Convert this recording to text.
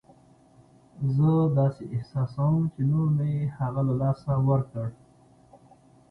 زه داسې احساسوم چې نور مې هغه له لاسه ورکړ.